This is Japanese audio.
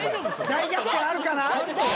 大逆転あるかな？